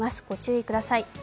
御注意ください。